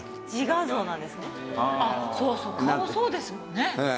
顔そうですもんね。